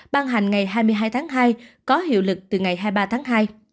ban hành ngày hai mươi hai tháng hai có hiệu lực từ ngày hai mươi ba tháng hai